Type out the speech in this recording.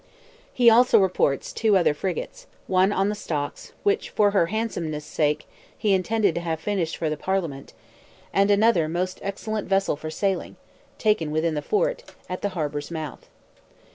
He also reports two other frigates, one on the stocks, which "for her handsomeness' sake" he intended to have finished for the Parliament, and another "most excellent vessel for sailing," taken within the fort, at the harbour's mouth.